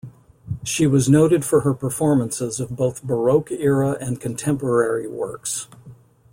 She was noted for her performances of both Baroque era and contemporary works.